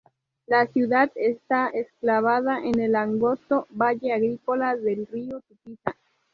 La ciudad está enclavada en el angosto valle agrícola del río Tupiza.